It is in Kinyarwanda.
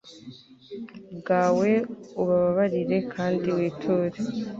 bwawe ubabarire kandi witure